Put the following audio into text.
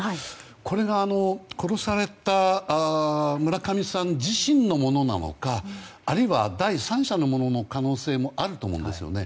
これが殺された村上さん自身のものなのかあるいは、第三者のものの可能性もあると思うんですよね。